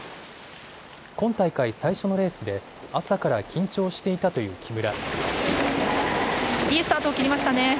今大会最初のレースで朝から緊張していたという木村。